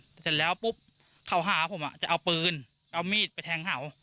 แต่เสร็จแล้วปุ๊บเขาหาผมจะเอาปืนเอามีดไปแทงเขา